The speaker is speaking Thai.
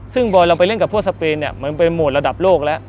ซึ่งบอยเราไปเล่นกับพวกสเปนเนี่ยมันเป็นโหมดระดับโลกแล้ว